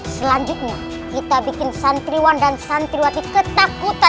selanjutnya kita bikin santriwan dan santriwati ketakutan